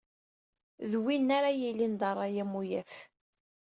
D win ara yilin d ṛṛay amuyaf.